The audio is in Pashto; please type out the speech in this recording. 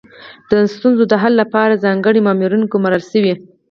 د ستونزو د حل لپاره ځانګړي مامورین ګمارل شوي.